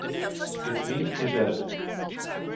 Its meat is edible.